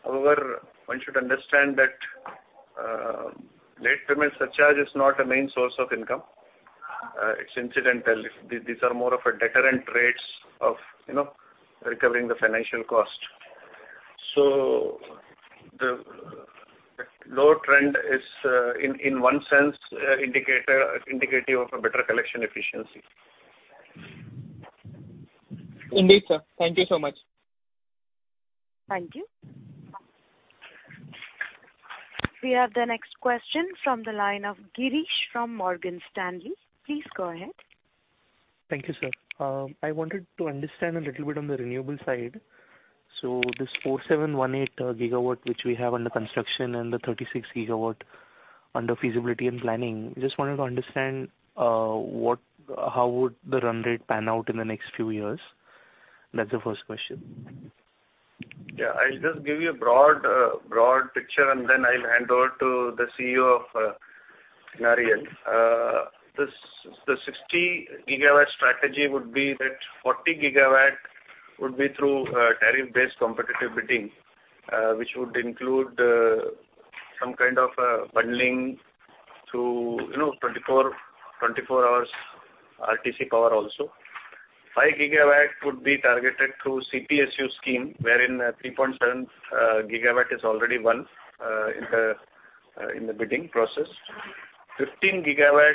However, one should understand that late payment surcharge is not a main source of income. It's incidental. These are more of a deterrent rates of, you know, recovering the financial cost. The low trend is in one sense indicator, indicative of a better collection efficiency. Indeed, sir. Thank you so much. Thank you. We have the next question from the line of Girish from Morgan Stanley. Please go ahead. Thank you, sir. I wanted to understand a little bit on the renewable side. This 4,718 GW which we have under construction and the 36 GW under feasibility and planning. Just wanted to understand how would the run rate pan out in the next few years? That's the first question. Yeah. I'll just give you a broad picture, and then I'll hand over to the CEO of, the 60 GW strategy would be that 40 GW would be through tariff-based competitive bidding, which would include some kind of bundling through, you know, 24 hours RTC power also. 5 GW would be targeted through CPSU scheme, wherein 3.7 GW is already won in the bidding process. 15 GW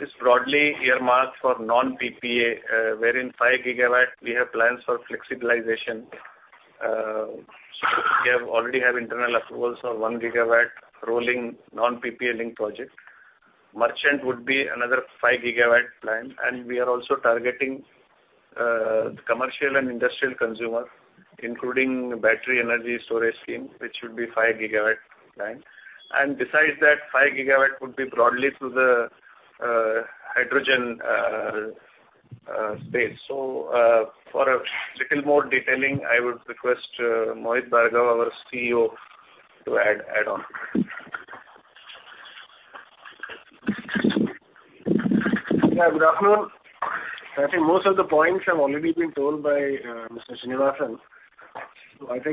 is broadly earmarked for non-PPA, wherein 5 GW we have plans for flexibilization. We already have internal approvals for 1 GW rolling non-PPA linked project. Merchant would be another 5 GW plan. We are also targeting commercial and industrial consumer, including battery energy storage scheme, which would be 5 GW plan. Besides that, 5 gigawatt would be broadly through the hydrogen space. For a little more detailing, I would request Mohit Bhargava, our CEO, to add on. Good afternoon. I think most of the points have already been told by Mr. Srinivasan.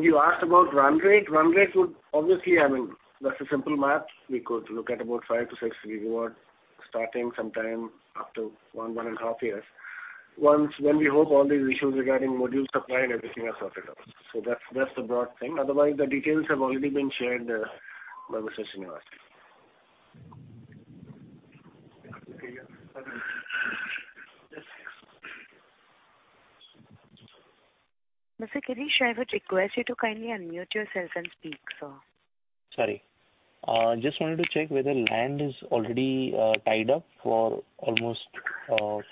You asked about run rate. Run rate would obviously I mean, that's a simple math. We could look at about 5-6 GW starting sometime up to 1.5 Years. When we hope all these issues regarding module supply and everything are sorted out. That's the broad thing. Otherwise, the details have already been shared by Mr. Srinivasan. Mr. Girish, I would request you to kindly unmute yourself and speak, sir. Sorry. Just wanted to check whether land is already tied up for almost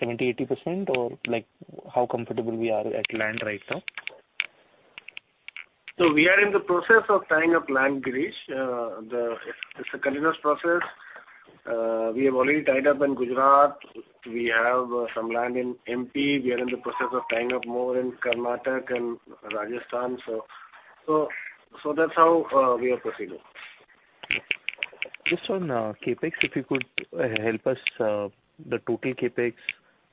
70%, 80% or, like, how comfortable we are at land right now? We are in the process of tying up land, Girish. It's a continuous process. We have already tied up in Gujarat. We have some land in MP. We are in the process of tying up more in Karnataka and Rajasthan. That's how we are proceeding. Just on CapEx, if you could help us, the total CapEx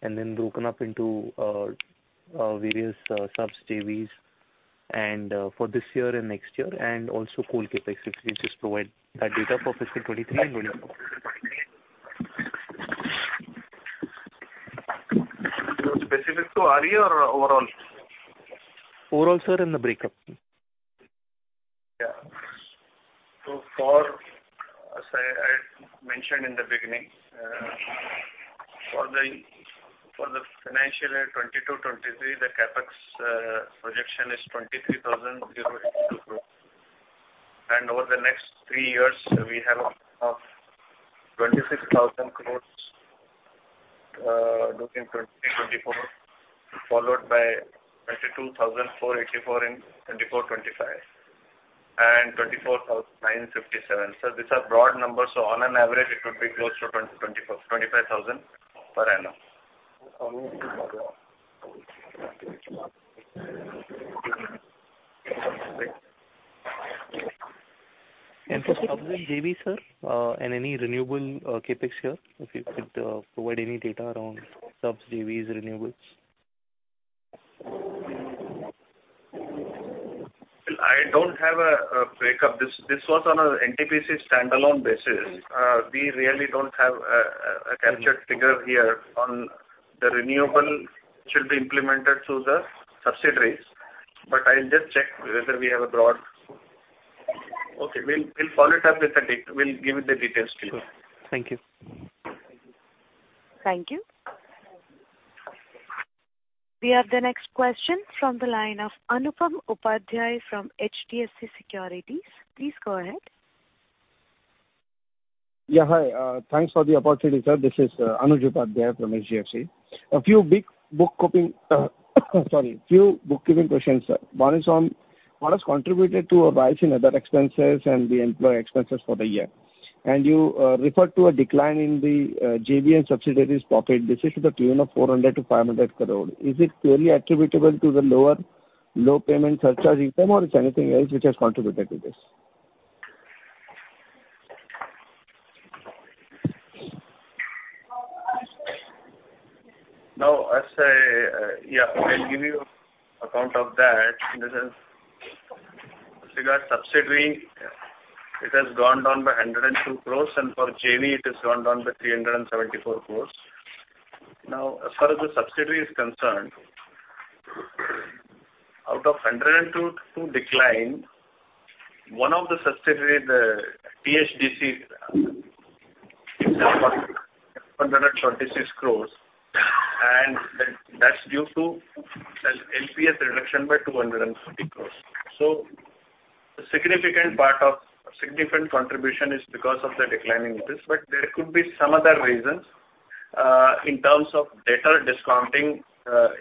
and then broken up into various subs, JVs and for this year and next year, and also full CapEx, if you could just provide that data for fiscal 2023 and going forward? Specific to RE or overall? Overall, sir, and the breakup. As I mentioned in the beginning, for the financial year 2022-2023, the CapEx projection is 23,082 crores. Over the next three years, we have of 26,000 crores booked in 2023-2024, followed by 22,484 in 2024-2025, and 24,957. These are broad numbers. On an average it would be close to 25,000 per annum. For subs and JV, sir, and any renewable, CapEx here, if you could, provide any data around subs, JVs, renewables. Well, I don't have a breakup. This was on a NTPC standalone basis. We really don't have a captured figure here on the renewable, which will be implemented through the subsidiaries. I'll just check whether we have a broad... Okay. We'll follow it up with the we'll give you the details, Girish. Sure. Thank you. Thank you. We have the next question from the line of Anuj Upadhyay from HDFC Securities. Please go ahead. Yeah, hi. Thanks for the opportunity, sir. This is Anuj Upadhyay from HDFC. A few bookkeeping questions, sir. One is on what has contributed to a rise in other expenses and the employee expenses for the year. You referred to a decline in the JV and subsidiaries profit. This is to the tune of 400 crore to 500 crore. Is it purely attributable to the low payment surcharge income or is anything else which has contributed to this? No, as say, yeah, I'll give you account of that. As regards subsidiary, it has gone down by 102 crores, and for JV it has gone down by 374 crores. As far as the subsidiary is concerned, out of 102 decline, one of the subsidiary, the THDC itself was 136 crores, and that's due to LPS reduction by 240 crores. Significant part of significant contribution is because of the declining interest, but there could be some other reasons, in terms of data discounting,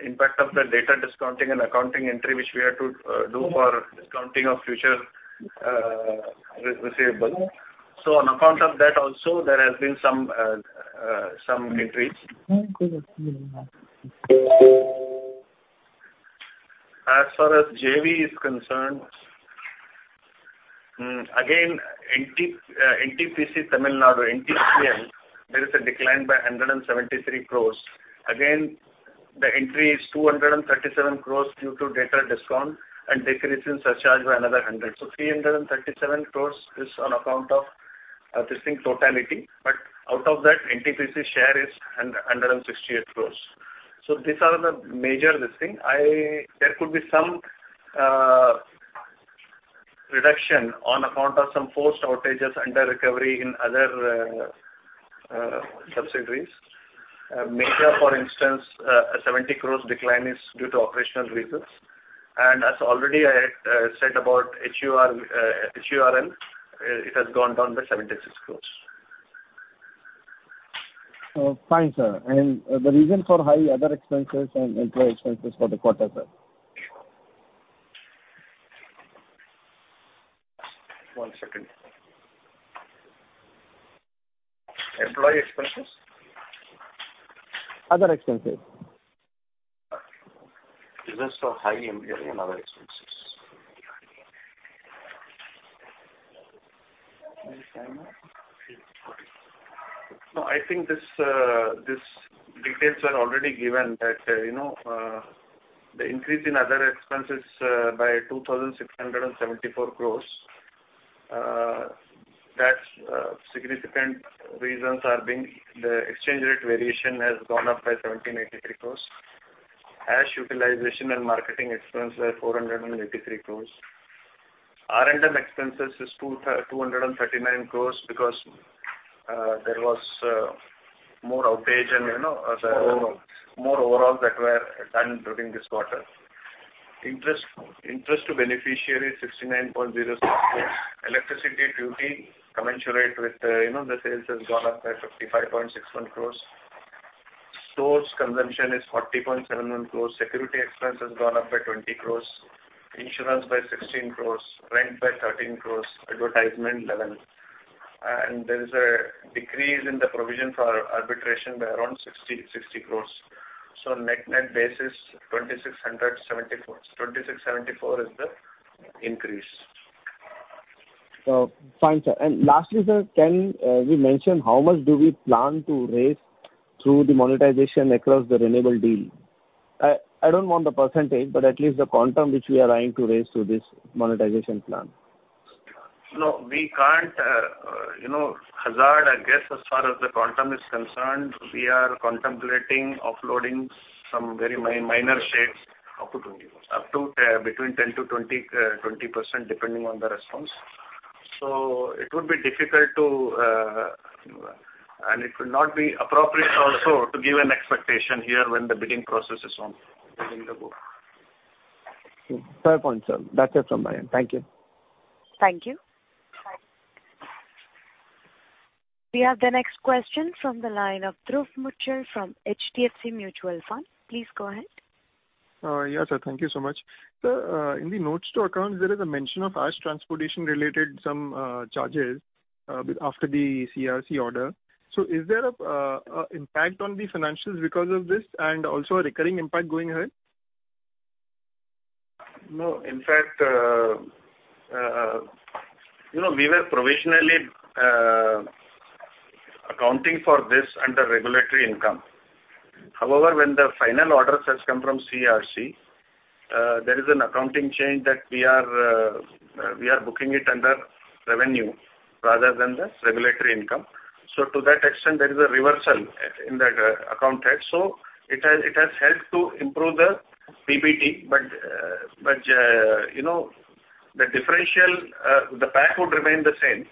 impact of the data discounting and accounting entry which we have to do for discounting of future re-receivables. On account of that also, there has been some increase. Mm-hmm. As far as JV is concerned, again, NTPC Tamil Nadu, NTPTN, there is a decline by 173 crores. Again, the increase 237 crores due to data discount and decrease in surcharge by another 100. So 337 crores is on account of this thing totality. But out of that, NTPC share is 168 crores. These are the major listing. There could be some reduction on account of some forced outages under recovery in other subsidiaries. Meja, for instance, a 70 crores decline is due to operational reasons. As already I said about HURL, it has gone down by 76 crores Fine, sir. The reason for high other expenses and employee expenses for the quarter, sir. One second. Employee expenses? Other expenses. Reasons for high employee and other expenses. No, I think this details are already given that, you know, the increase in other expenses by 2,674 crores, that's significant reasons are being the exchange rate variation has gone up by 1,783 crores, Ash utilization and marketing expense were 483 crores, R&M expenses is 239 crores because there was more outage and, you know. More overall. More overalls that were done during this quarter. Interest, interest to beneficiary, 69.06 crores. Electricity duty commensurate with, you know, the sales has gone up by 55.61 crores. Source consumption is 40.71 crores. Security expense has gone up by 20 crores. Insurance by 16 crores. Rent by 13 crores. Advertisement, 11. There is a decrease in the provision for arbitration by around 60 crores. Net-net basis, 2,674. 2,674 is the increase. Fine, Sir. Lastly, Sir, can we mention how much do we plan to raise through the monetization across the renewable deal? I don't want the percentage, but at least the quantum which we are eyeing to raise through this monetization plan. No, we can't, you know, hazard a guess as far as the quantum is concerned. We are contemplating offloading some very minor shares. Up to 20%. Up to, between 10 to 20%, depending on the response. It would be difficult to, and it would not be appropriate also to give an expectation here when the bidding process is on, bidding the book. Fair point, sir. That's it from my end. Thank you. Thank you. We have the next question from the line of Dhruv Muchhal from HDFC Mutual Fund. Please go ahead. Yeah, sir. Thank you so much. Sir, in the notes to accounts, there is a mention of ash transportation related some charges after the CERC order. Is there a impact on the financials because of this and also a recurring impact going ahead? No. In fact, you know, we were provisionally accounting for this under regulatory income. When the final order has come from CERC, there is an accounting change that we are booking it under revenue rather than the regulatory income. To that extent, there is a reversal in that account head. It has helped to improve the PBT. You know, the differential, the PAT would remain the same.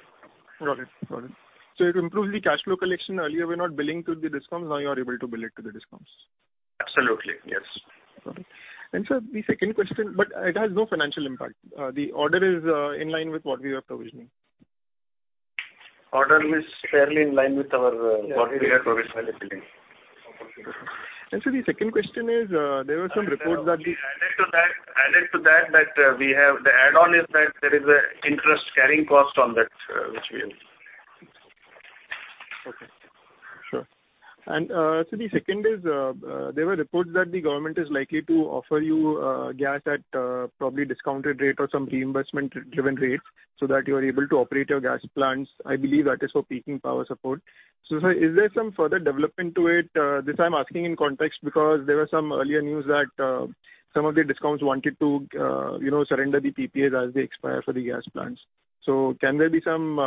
Got it. Got it. It improves the cash flow collection. Earlier, we're not billing to the DISCOMs. Now you are able to bill it to the DISCOMs. Absolutely, yes. Got it. sir, the second question. It has no financial impact. The order is in line with what we were provisioning. Order is fairly in line with our, what we are provisionally billing. The second question is, there were some reports that. Added to that we have the add-on is that there is an interest carrying cost on that which we have. Okay. Sure. The second is, there were reports that the government is likely to offer you gas at probably discounted rate or some reimbursement given rate so that you are able to operate your gas plants. I believe that is for peaking power support. Sir, is there some further development to it? This I'm asking in context because there were some earlier news that some of the DISCOMs wanted to, you know, surrender the PPAs as they expire for the gas plants. Can there be some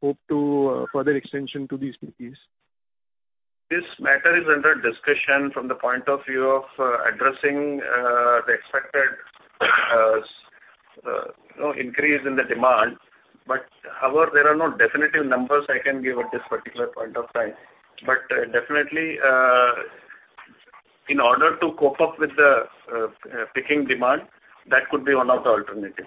hope to further extension to these PPAs? This matter is under discussion from the point of view of addressing the expected, you know, increase in the demand. However, there are no definitive numbers I can give at this particular point of time. Definitely, in order to cope up with the peaking demand, that could be one of the alternative.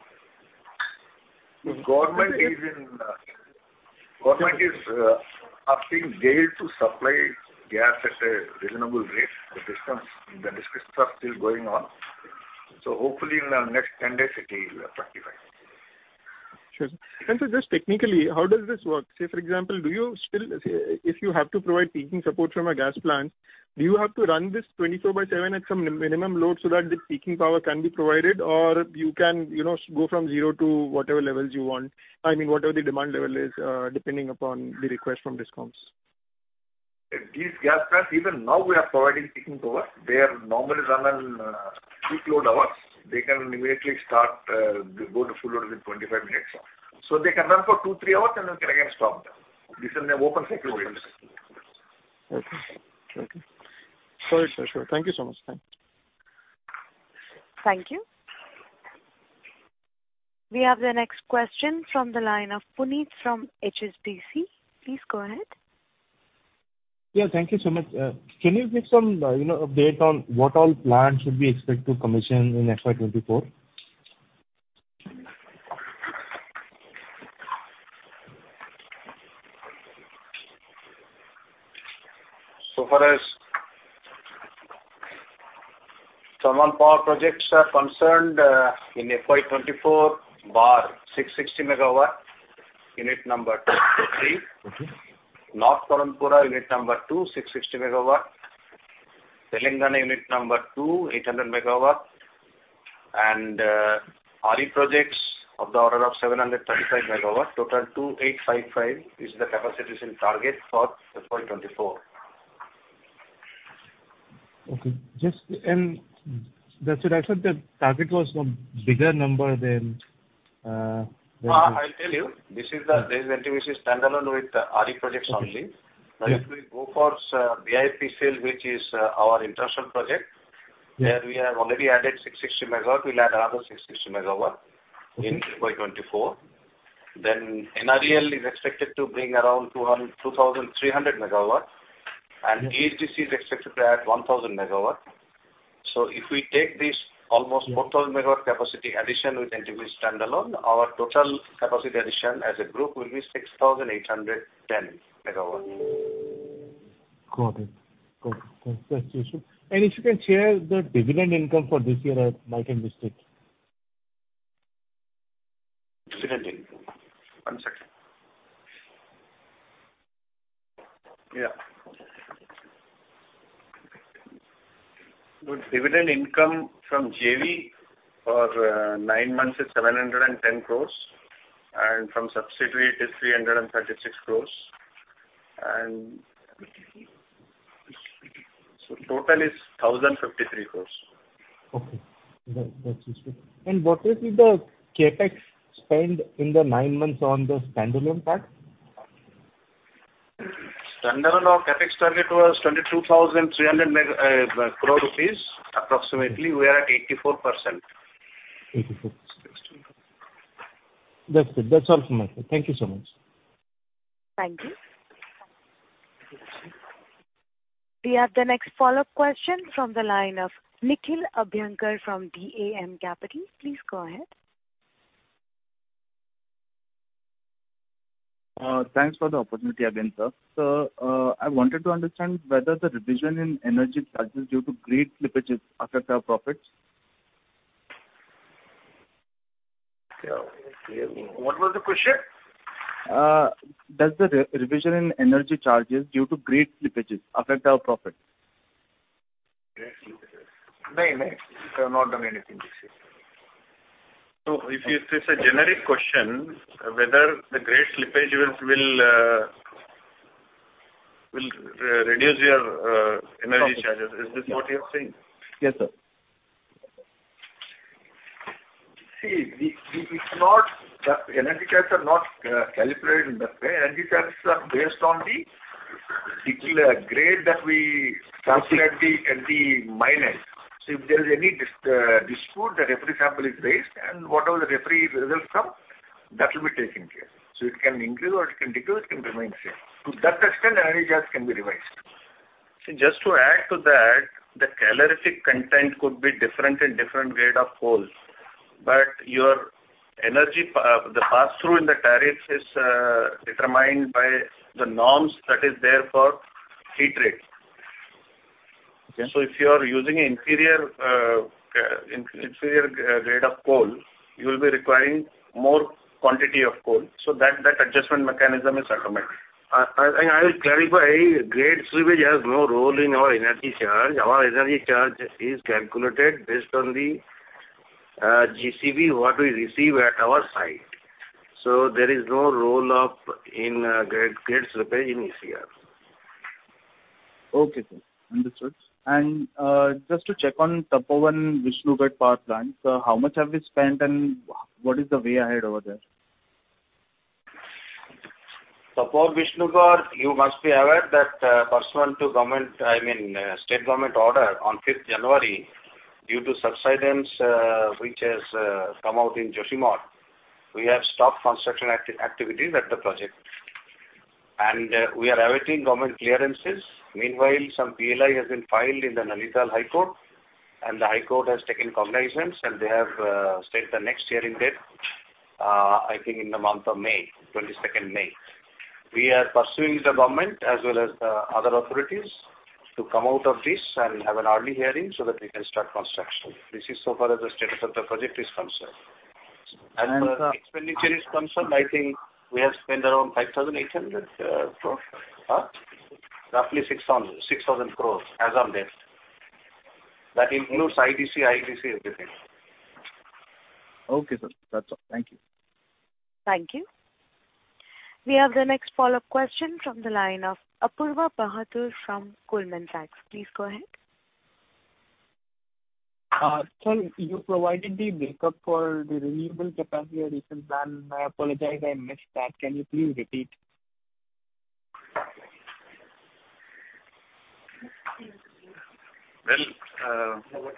The government is asking GAIL to supply gas at a reasonable rate. The discussions are still going on. Hopefully in the next 10 days it will fructify. Sure. Just technically, how does this work? Say for example, do you still say if you have to provide peaking support from a gas plant, do you have to run this 24/7 at some minimum load so that the peaking power can be provided or you can, you know, go from zero to whatever levels you want? I mean, whatever the demand level is, depending upon the request from DISCOMs. These gas plants, even now we are providing peaking power. They are normally run on peak load hours. They can immediately start, go to full load within 25 minutes. They can run for two, three hours, and then we can again stop them. This is an open cycle Okay. Okay. Sorry, sir. Thank you so much. Thanks. Thank you. We have the next question from the line of Puneet from HSBC. Please go ahead. Yeah, thank you so much. Can you give some, you know, update on what all plants should we expect to commission in FY 2024? Far as thermal power projects are concerned, in FY 2024, Barh, 660 MW, unit number two to three. Mm-hmm. North Karanpura, unit number 2, 660 MW. Telangana, unit number 2, 800 MW. RE projects of the order of 735 MW. Total 2,855 is the capacity addition target for FY 2024. Okay. Just that's what I said, the target was a bigger number than. I'll tell you. This is NTPC standalone with RE projects only. If we go for VIP sale, which is our international project- Yeah. There we have already added 660 MW. We'll add another 660 MW in FY 2024. NREL is expected to bring around 2,300 MW. NHDC is expected to add 1,000 MW. If we take this almost 4,000 MW capacity addition with NTPC standalone, our total capacity addition as a group will be 6,810 MW. Got it. Got it. That's useful. If you can share the dividend income for this year, I might invest it. Dividend income. One second. Yeah. The dividend income from JV for nine months is 710 crores. From subsidiary it is 336 crores. Total is 1,053 crores. Okay. That's useful. What is the CapEx spend in the nine months on the standalone part? Standalone CapEx target was 22,300 mega crore. Approximately we are at 84%. 84%. That's it. That's all from my side. Thank you so much. Thank you. We have the next follow-up question from the line of Nikhil Abhyankar from DAMW Securities. Please go ahead. Thanks for the opportunity again, sir. I wanted to understand whether the revision in energy charges due to grade slippages affect our profits. Yeah. What was the question? Does the revision in energy charges due to grade slippages affect our profits? Grade slippage. Nein, nein. We have not done anything this year. If it's a generic question, whether the grade slippage will reduce your energy charges. Is this what you're saying? Yes, sir. The energy charges are not calibrated in that way. Energy charges are based on the particular grade that we calculate at the mine end. If there is any dispute, the referee sample is raised, and whatever the referee results come, that will be taken care. It can increase or it can decrease, it can remain same. To that extent, the energy charge can be revised. See, just to add to that, the calorific content could be different in different grade of coals. Your energy passthrough in the tariffs is determined by the norms that is there for heat rate. Okay. If you are using inferior grade of coal, you will be requiring more quantity of coal. That adjustment mechanism is automatic. I will clarify, grade slippage has no role in our energy charge. Our energy charge is calculated based on the GCV, what we receive at our site. There is no role of in grade slippage in ECR. Okay, sir. Understood. Just to check on Tapovan Vishnugad Power Plant, so how much have we spent, and what is the way ahead over there? Tapovan Vishnugad, you must be aware that, pursuant to government, I mean, state government order on 5th January, due to subsidence, which has come out in Joshimath, we have stopped construction activities at the project. We are awaiting government clearances. Meanwhile, some PIL has been filed in the Patna High Court, and the High Court has taken cognizance, and they have set the next hearing date, I think in the month of May, 22nd May. We are pursuing the government as well as the other authorities to come out of this and have an early hearing so that we can start construction. This is so far as the status of the project is concerned. And, uh- As the expenditure is concerned, I think we have spent around 5,800 crore. Huh? Roughly 6,000 crore as on date. That includes ITC, IITC, everything. Okay, sir. That's all. Thank you. Thank you. We have the next follow-up question from the line of Apoorva Bahadur from Goldman Sachs. Please go ahead. Sir, you provided the breakup for the renewable capacity addition plan. I apologize, I missed that. Can you please repeat? Well. What,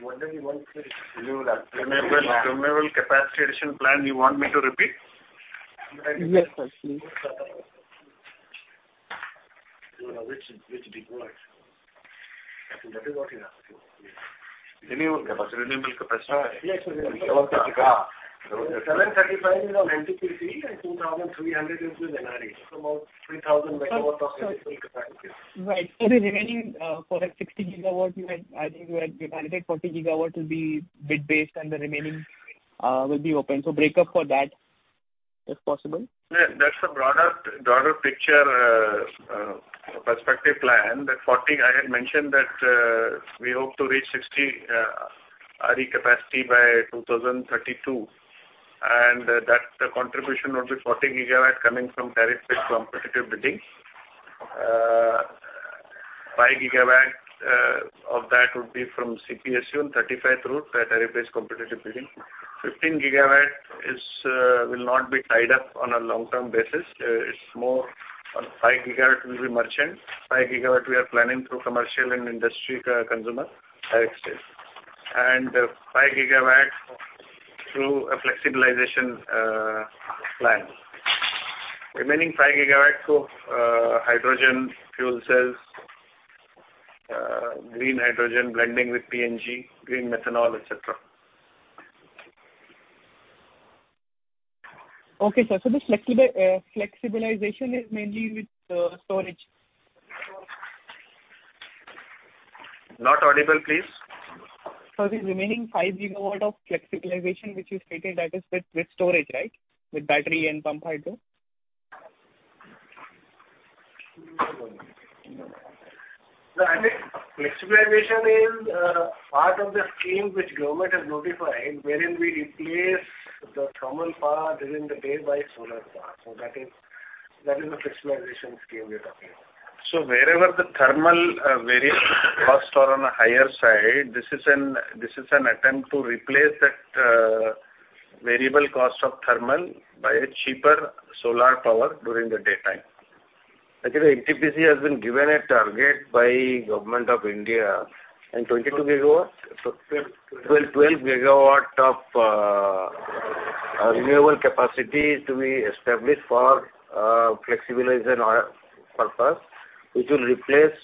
what did he want, sir? Renewable capacity addition plan, you want me to repeat? Yes, sir. Please. Which. I think that is what he's asking. Renew capacity, renewable capacity. Yes. 735 is of NTPC and 2,300 is with NREL. About 3,000 MW of additional capacity. Right. The remaining, for, like, 60 GW, I think you had guided that 40 GW will be bid-based and the remaining will be open. Breakup for that, if possible. Yeah. That's a broader picture, perspective plan. That 40... I had mentioned that, we hope to reach 60, RE capacity by 2032, and that contribution would be 40 GW coming from tariff-based competitive bidding. 5 GW, of that would be from CPSU and 35 through tariff-based competitive bidding. 15 GW is, will not be tied up on a long-term basis. It's more on... 5 GW will be merchant. 5 GW we are planning through commercial and industrial, consumer direct sale. And 5 gigawatts through a flexibilization, plan. Remaining 5 GW of, hydrogen fuel cells, green hydrogen blending with PNG, green methanol, et cetera. Okay, sir. This flexibilization is mainly with storage? Not audible, please. Sir, the remaining 5 GW of flexibilization which you stated, that is with storage, right? With battery and pump hydro. No, I think flexibilization is part of the scheme which government has notified, wherein we replace the thermal power during the day by solar power. That is the flexibilization scheme we are talking about. Wherever the thermal variable costs are on a higher side, this is an attempt to replace that variable cost of thermal by a cheaper solar power during the daytime. NTPC has been given a target by Government of India. 22 GW? 12 GW of renewable capacity to be established for flexibilization or purpose, which will replace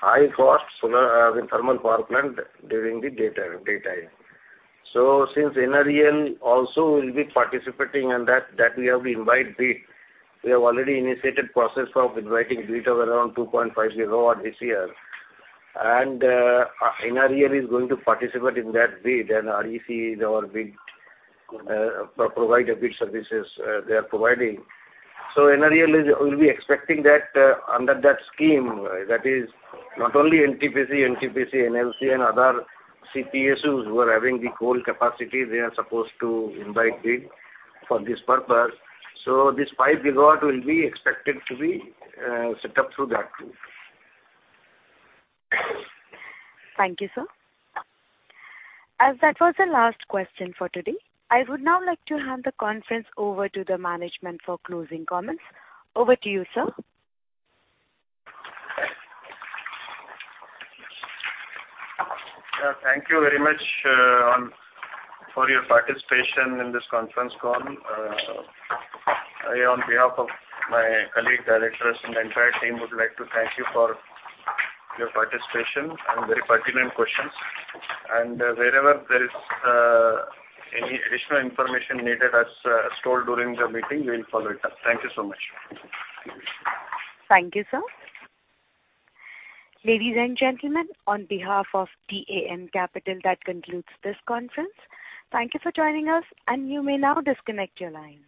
high-cost solar, I mean, thermal power plant during the daytime. Since NREL also will be participating on that, we have invite bid. We have already initiated process of inviting bid of around 2.5 GW this year. NREL is going to participate in that bid and REC is our bid, provider bid services, they are providing. NREL will be expecting that under that scheme, that is not only NTPC, NLC and other CPSUs who are having the coal capacity, they are supposed to invite bid for this purpose. This 5 GW will be expected to be set up through that route. Thank you, sir. As that was the last question for today, I would now like to hand the conference over to the management for closing comments. Over to you, sir. Thank you very much, for your participation in this conference call. I, on behalf of my colleague, directors and the entire team, would like to thank you for your participation and very pertinent questions. Wherever there is any additional information needed as told during the meeting, we'll follow it up. Thank you so much. Thank you, sir. Ladies and gentlemen, on behalf of DAM Capital, that concludes this conference. Thank you for joining us, and you may now disconnect your lines.